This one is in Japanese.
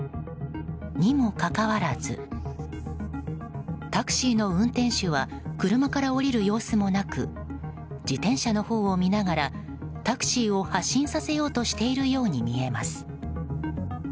にもかかわらずタクシーの運転手は車から降りる様子もなく自転車のほうを見ながらタクシーを発進させようとしているように見えます。